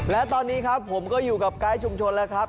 และตอนนี้ครับผมก็อยู่กับไกด์ชุมชนแล้วครับ